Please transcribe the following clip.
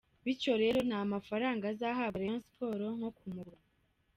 Bityo rero nta mafaranga azahabwa Rayon Sports nko kumugura.